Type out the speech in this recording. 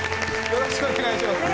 よろしくお願いします